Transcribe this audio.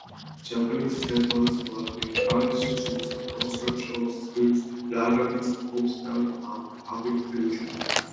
Japanese settlers were encouraged through the construction of schools, libraries, hospitals and public utilities.